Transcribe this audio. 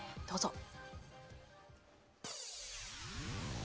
どうぞ。